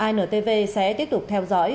intv sẽ tiếp tục theo dõi